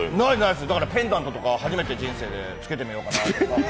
だからペンダントとか初めて人生で着けてみようかなと。